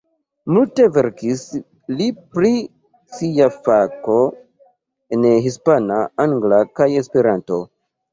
Multe verkis li pri sia fako en hispana, angla kaj esperanto.